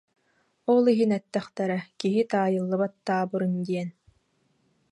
Ол иһин эттэхтэрэ «киһи таайыллыбат таабырын» диэн